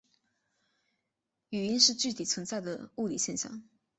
语音是具体存在的物理现象。